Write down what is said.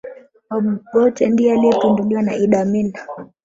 obotte ndiye aliyepinduliwa na idd amini